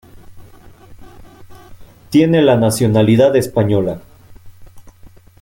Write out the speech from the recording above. Tiene la nacionalidad española.